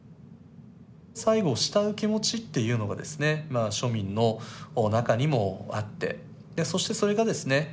西郷を慕う気持ちっていうのがですねまあ庶民の中にもあってでそしてそれがですね